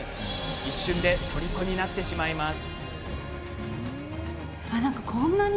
一瞬でとりこになってしまいます。